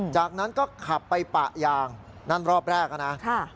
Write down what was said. จากนั้นก็ขับไปปะยางนั่นรอบแรกนะ